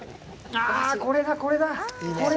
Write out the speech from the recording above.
ああ、これだ、これだ！